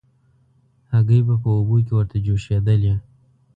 هګۍ به په اوبو کې ورته جوشېدلې.